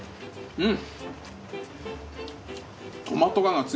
うん。